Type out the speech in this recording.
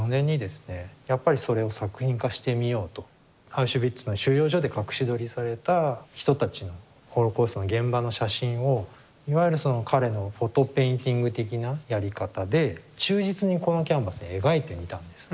アウシュビッツの収容所で隠し撮りされた人たちのホロコーストの現場の写真をいわゆるその彼の「フォト・ペインティング」的なやり方で忠実にこのキャンバスに描いてみたんです。